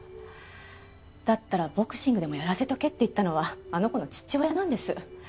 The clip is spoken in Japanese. だったらボクシングでもやらせとけって言ったのはあの子の父親なんです。